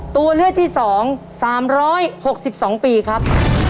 ตัวเลือกที่๒๓๖๒ปีครับ